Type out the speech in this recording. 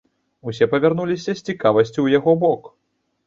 Усе павярнуліся з цікавасцю ў яго бок.